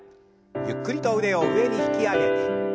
ゆっくりと腕を上に引き上げて。